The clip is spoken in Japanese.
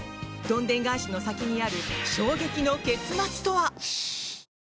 どんでん返しの先にある衝撃の結末とは？